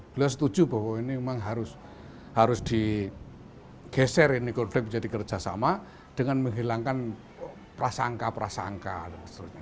beliau setuju bahwa ini memang harus digeser ini konflik menjadi kerjasama dengan menghilangkan prasangka prasangka dan seterusnya